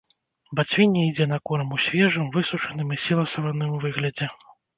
Бацвінне ідзе на корм у свежым, высушаным і сіласаваным выглядзе.